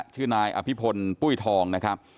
ชื่อนายอภิพลปุ้ยทอง